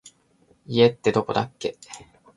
家ってどこだっけ